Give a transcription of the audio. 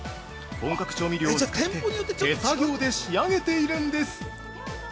本格調味料を使って手作業で仕上げているんです。